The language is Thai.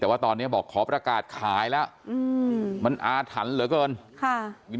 แต่ว่าตอนนี้บอกขอประกาศขายแล้วมันอาถรรพ์เหลือเกินค่ะ